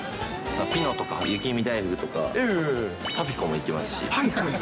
ピノとか雪見だいふくとか、パピコもいきますし。